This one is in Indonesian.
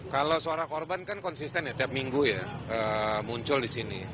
kalau suara korban kan konsisten ya tiap minggu ya muncul di sini